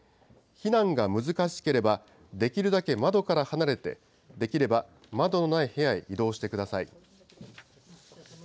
避難が難しければ、できるだけ窓から離れて、できれば窓のない部屋へ移動してください。